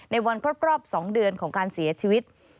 ในวันครบรอบ๒เดือนของการเสียชีวิต